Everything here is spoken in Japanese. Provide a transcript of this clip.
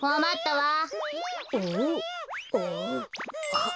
あっ！